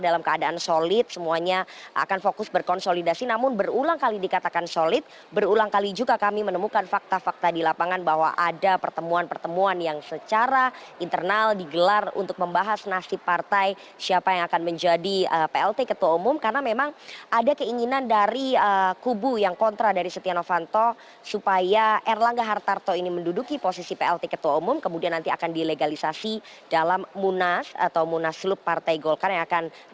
dalam keadaan solid semuanya akan fokus berkonsolidasi namun berulang kali dikatakan solid berulang kali juga kami menemukan fakta fakta di lapangan bahwa ada pertemuan pertemuan yang secara internal digelar untuk membahas nasib partai siapa yang akan menjadi plt ketua umum karena memang ada keinginan dari kubu yang kontra dari stenovanto supaya erlangga hartarto ini menduduki posisi plt ketua umum kemudian nanti akan dilegalisasi dalam munas atau munaslup partai golkar yang akan menjadi plt ketua umum